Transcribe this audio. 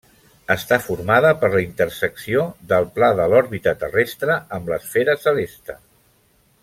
Està formada per la intersecció del pla de l'òrbita terrestre amb l'esfera celeste.